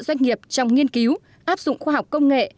doanh nghiệp trong nghiên cứu áp dụng khoa học công nghệ